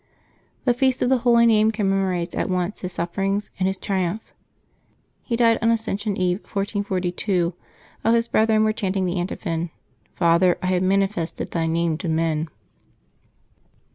The Feast of the Holy Name commemorates at once his sufferings and his triumph. He died on Ascension Eve, 1444, while his brethren were chanting the antiphon, *' Father, I have manifested Thy Name to men."